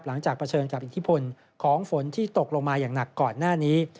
เผชิญกับอิทธิพลของฝนที่ตกลงมาอย่างหนักก่อนหน้านี้